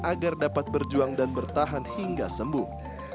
agar dapat berjuang dan bertahan hingga sembuh